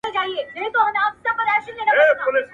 محبتونه په ايسار دَ مذهبونو نه دي